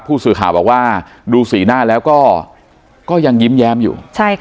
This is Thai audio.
ผู้สื่อข่าวบอกว่าดูสีหน้าแล้วก็ยังยิ้มแย้มอยู่